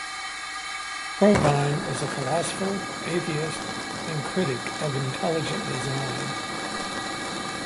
Provine was a philosopher, atheist, and critic of intelligent design.